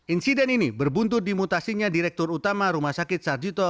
insiden ini berbuntut di mutasinya direktur utama rumah sakit sarjito